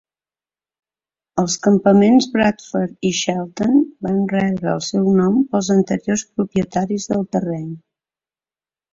Els campaments Bradford i Shelton van rebre el seu nom pels anteriors propietaris del terreny.